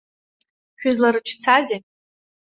Шәызларыцәцазеи?